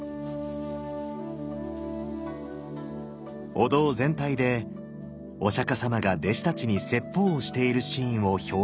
お堂全体でお釈様が弟子たちに説法をしているシーンを表現しています。